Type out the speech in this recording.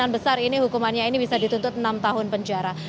dan besar ini hukumannya ini bisa dituntut enam tahun penjara